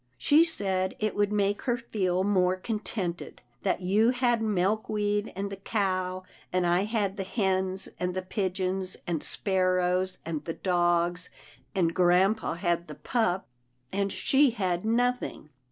She said it would make her feel more contented — that you had Milkweed and the cow, and I had the hens, and the pigeons, and sparrows and the dogs, and grampa had the pup, and she had nothing."